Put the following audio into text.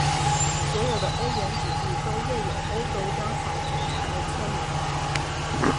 所有的欧元纸币都印有欧洲央行总裁的签名。